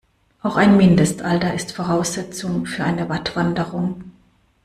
Auch ein Mindestalter ist Voraussetzung für eine Wattwanderung.